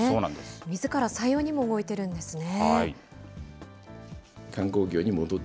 みずから採用にも動いてるんですね。